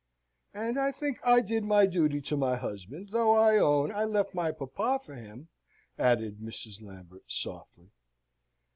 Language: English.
"And I think I did my duty to my husband, though I own I left my papa for him," added Mrs. Lambert, softly.